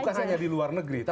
bukan hanya di luar negeri